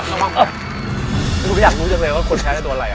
อยากรู้จังเลยว่าคนแท้ได้ตัวอะไร